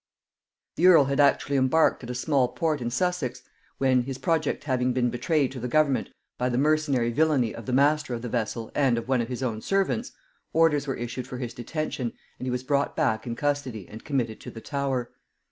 The earl had actually embarked at a small port in Sussex, when, his project having been betrayed to the government by the mercenary villany of the master of the vessel and of one of his own servants, orders were issued for his detention, and he was brought back in custody and committed to the Tower.